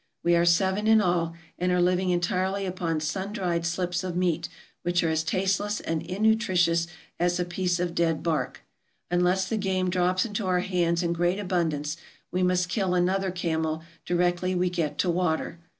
We are seven in all, and are living entirely upon sun dried slips of meat, which are as tasteless and innutri tious as a piece of dead bark. Unless the game drops into our hands in great abundance, we must kill another camel directly we get to water.